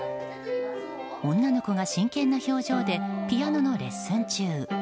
女の子が真剣な表情でピアノのレッスン中。